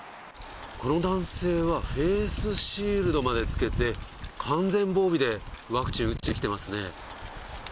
この男性はフェイスシールド迄着けて、完全防備でワクチン打ちに来てますね。